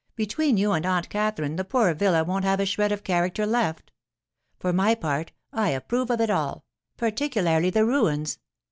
Between you and Aunt Katherine, the poor villa won't have a shred of character left. For my part, I approve of it all—particularly the ruins.